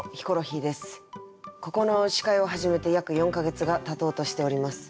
ここの司会を始めて約４か月がたとうとしております。